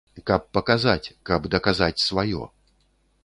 Каб паказаць, каб даказаць сваё.